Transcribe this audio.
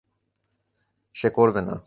সে করবে না।